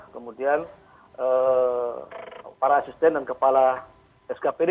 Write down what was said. kemudian para asisten dan kepala skpd